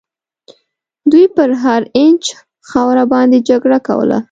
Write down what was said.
دوی پر هر اینچ خاوره باندي جګړه کوله.